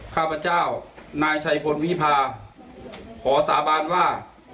ข้าพเจ้านายชัยพลวิพาขอสาบานว่า